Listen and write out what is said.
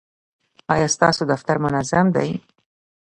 ایا ستاسو دفتر منظم دی؟